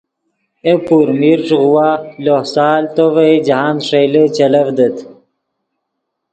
ائے پور میر ݯوغوا لوہ سال تو ڤئے جاہند ݰئیلے چلڤدیت